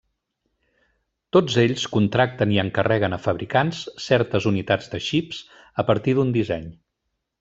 Tots ells contracten i encarreguen a fabricants certes unitats de xips a partir d'un disseny.